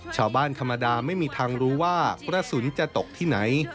ชาวบ้านธรรมดาไม่มีทางรู้ว่ากระสุนจะตกที่ไหน